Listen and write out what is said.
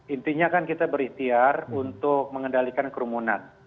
intinya kan kita berikhtiar untuk mengendalikan kerumunan